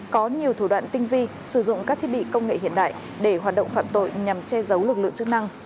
có nhiều thủ đoạn tinh vi sử dụng các thiết bị công nghệ hiện đại để hoạt động phạm tội nhằm che giấu lực lượng chức năng